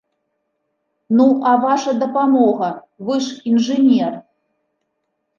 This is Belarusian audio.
Ну, а ваша дапамога, вы ж інжынер?